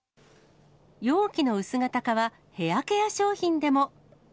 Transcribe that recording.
容器の薄型化は、ヘアケア商品でも。